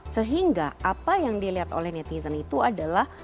sehingga apa yang dilihat oleh netizen itu adalah